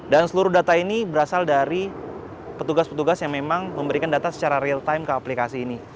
dan seluruh data ini berasal dari petugas petugas yang memang memberikan data secara real time ke aplikasi ini